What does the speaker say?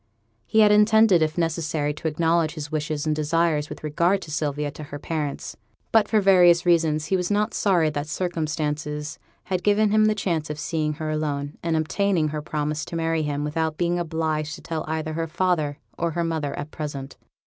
He had intended if necessary to acknowledge his wishes and desires with regard to Sylvia to her parents; but for various reasons he was not sorry that circumstances had given him the chance of seeing her alone, and obtaining her promise to marry him without being obliged to tell either her father or her mother at present.